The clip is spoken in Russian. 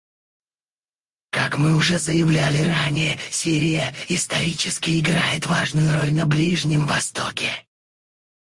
Как мы уже заявляли ранее, Сирия исторически играет важную роль на Ближнем Востоке.